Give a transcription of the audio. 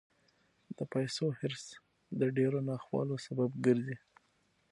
د پیسو حرص د ډېرو ناخوالو سبب ګرځي.